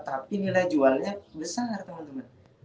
tapi nilai jualnya besar dari teman teman